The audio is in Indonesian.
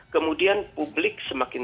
kemudian publik semakin